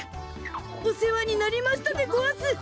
おせわになりましたでごわす！